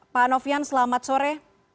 pak nofian selamat sore